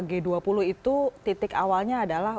g dua puluh itu titik awalnya adalah